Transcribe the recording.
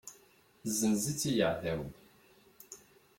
Zzenzen-tt i yeεdawen.